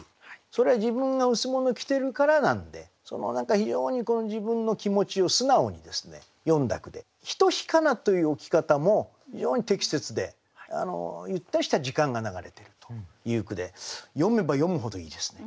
それは自分が羅を着てるからなんでその非常に自分の気持ちを素直に詠んだ句で「一日かな」という置き方も非常に適切でゆったりした時間が流れてるという句で読めば読むほどいいですね。